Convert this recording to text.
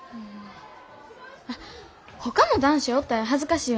あっほかの男子おったら恥ずかしいよな。